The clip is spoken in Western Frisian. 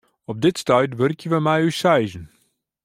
Op dit stuit wurkje wy mei ús seizen.